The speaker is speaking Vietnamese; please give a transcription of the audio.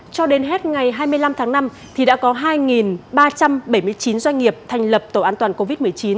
cho đến hết ngày hai mươi năm tháng năm thì đã có hai ba trăm bảy mươi chín doanh nghiệp thành lập tổ an toàn covid một mươi chín